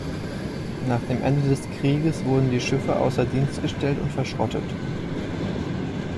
Nach dem Ende des Krieges wurden die Schiffe außer Dienst gestellt und verschrottet.